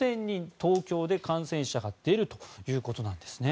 東京で感染者が出るということなんです。